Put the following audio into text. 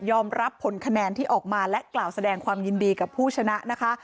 รับผลคะแนนที่ออกมาและกล่าวแสดงความยินดีกับผู้ชนะนะคะ